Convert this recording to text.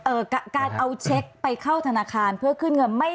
การเอาเช็คไปเข้าธนาคารเพื่อขึ้นเงินไม่